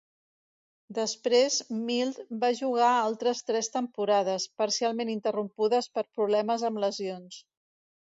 Després Mild va jugar altres tres temporades, parcialment interrompudes per problemes amb lesions.